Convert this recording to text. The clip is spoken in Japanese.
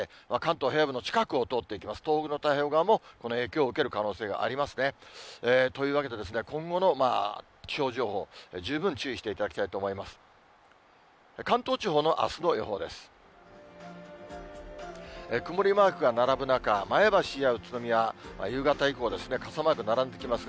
東北の太平洋側もこの影響を受ける可能性がありますね。というわけで、今後の気象情報、十分、注意していただきたいと思います。